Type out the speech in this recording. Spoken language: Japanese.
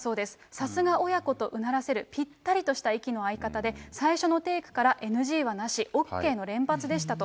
さすが親子とうならせる、ぴったりとした息の合い方で、最初のテークからＮＧはなし、ＯＫの連発でしたと。